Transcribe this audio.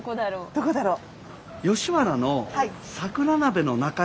どこだろう？